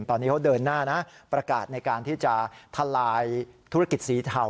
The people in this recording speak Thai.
ตอนนี้เขาเดินหน้านะประกาศในการที่จะทลายธุรกิจสีเทา